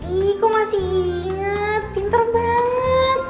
ih kok masih inget pinter banget